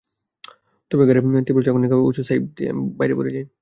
তবে গাড়ি তীব্র ঝাঁকুনি খাওয়ায় উঁচু সাইড দিয়ে আমি বাইরে পড়ে যাই।